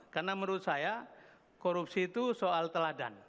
karena menurut saya korupsi itu soal teladan